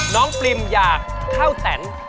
น้องปริมอยากข้าวแสน